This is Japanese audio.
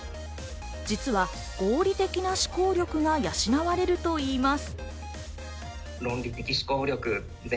実は合理的な思考力が養われるといいます。